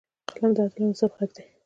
قلم د عدل او انصاف غږ دی